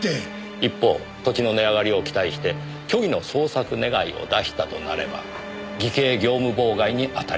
一方土地の値上がりを期待して虚偽の捜索願を出したとなれば偽計業務妨害にあたります。